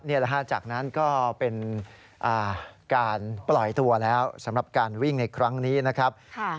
จากนั้นก็เป็นการปล่อยตัวแล้วสำหรับการวิ่งในครั้งนี้นะครับ